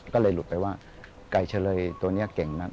ก็เลยหลุดไปว่าไก่เฉลยตัวนี้เก่งมาก